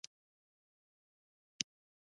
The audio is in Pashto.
له موقع څخه استفاده کوم.